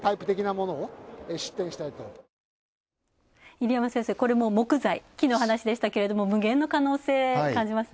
入山先生、これも木材、木の話でしたけど無限の可能性感じますね。